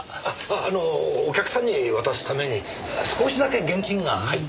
あのお客さんに渡すために少しだけ現金が入ってるんです。